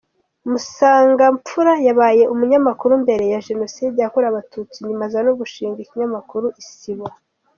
Musangamfura yabaye umunyamakuru mbere ya Jenoside yakorewe Abatutsi, nyuma aza no gushinga ikinyamakuru Isibo.